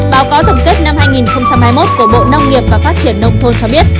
báo cáo tổng kết năm hai nghìn hai mươi một của bộ nông nghiệp và phát triển nông thôn cho biết